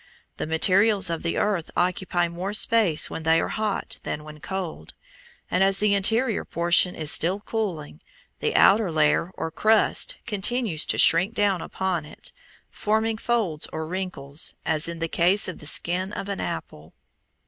The materials of the earth occupy more space when they are hot than when cold, and as the interior portion is still cooling, the outer layer or crust continues to shrink down upon it, forming folds or wrinkles, as in the case of the skin of an apple.